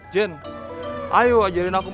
jen ayo ajarin aku